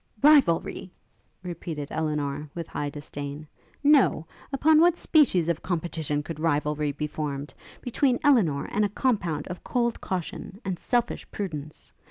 'Rivalry?' repeated Elinor, with high disdain: 'No! upon what species of competition could rivalry be formed, between Elinor, and a compound of cold caution, and selfish prudence?